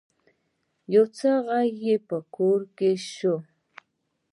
يو څه غږ په کور کې شو.